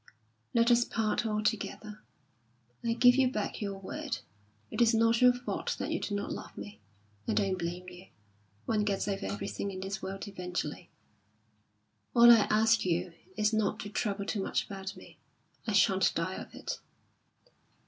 Let us part altogether. I give you back your word. It is not your fault that you do not love me. I don't blame you. One gets over everything in this world eventually. All I ask you is not to trouble too much about me; I shan't die of it."